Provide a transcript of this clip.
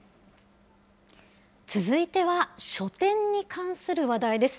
続いては書店に関する話題です。